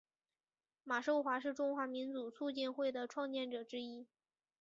马寿华是中国民主促进会的创建者之一。